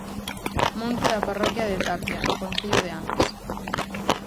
Monte da parroquia de Tapia, no concello de Ames.